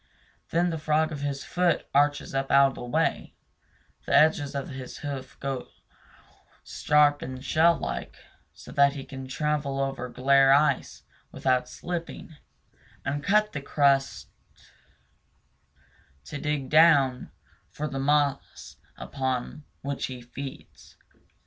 Then the frog of his foot arches up out of the way; the edges of his hoof grow sharp and shell like, so that he can travel over glare ice without slipping, and cut the crust to dig down for the moss upon which he feeds.